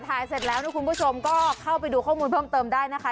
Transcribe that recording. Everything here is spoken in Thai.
ถ่ายเสร็จแล้วนะคุณผู้ชมก็เข้าไปดูข้อมูลเพิ่มเติมได้นะคะ